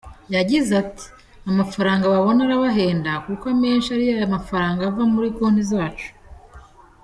Yagize ati “Amafaranga babona arabahenda kuko amenshi ni ya mafaranga ava muri konti zacu.